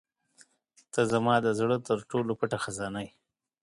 • ته زما د زړه تر ټولو پټه خزانه یې.